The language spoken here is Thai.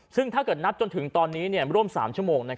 ซึ่งถ้าเกิดนับจนถึงตอนนี้ร่วม๓ชั่วโมง